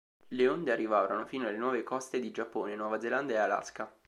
Le onde arrivarono fino alle coste di Giappone, Nuova Zelanda e Alaska.